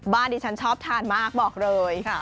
ดิฉันชอบทานมากบอกเลย